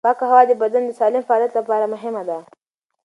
پاکه هوا د بدن د سالم فعالیت لپاره مهمه ده.